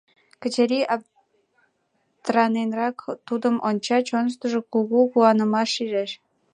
Качырий аптраненрак тудым онча, чоныштыжо кугу куанымашым шижеш.